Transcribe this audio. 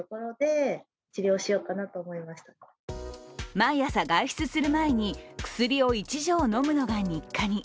毎朝、外出する前に薬を１錠飲むのが日課に。